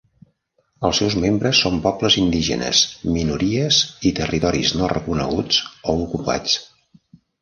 Els seus membres són pobles indígenes, minories i territoris no reconeguts o ocupats.